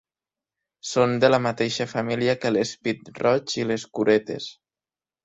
Són de la mateixa família que les pit-roig i les curetes.